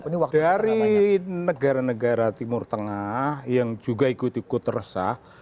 dari negara negara timur tengah yang juga ikut ikut resah